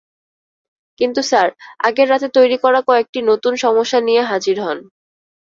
কিন্তু স্যার আগের রাতে তৈরি করা কয়েকটি নতুন সমস্যা নিয়ে হাজির হন।